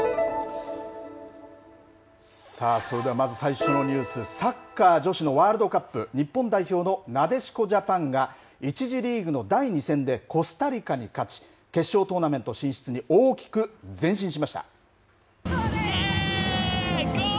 さあ、それではまず最初のニュース、サッカー女子のワールドカップ、日本代表のなでしこジャパンが、１次リーグの第２戦で、コスタリカに勝ち、決勝トーナメント進出に大きく前進しました。